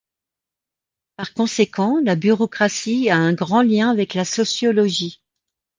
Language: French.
Par conséquent, la bureaucratie a un grand lien avec la sociologie.